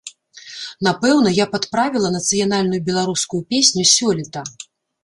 Напэўна, я б адправіла нацыянальную беларускую песню сёлета.